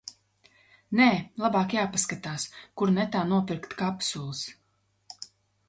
Nē, labāk jāpaskatās, kur netā nopirkt kapsulas.